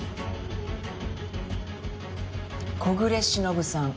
小暮しのぶさん